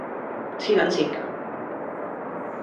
痴撚線架！